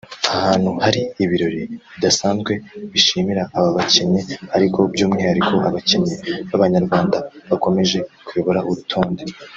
ahantu hari ibirori bidasanzwe bishimira aba bakinnyi ariko by’umwihariko abakinnyi b’abanyarwanda bakomeje kuyobora urutonde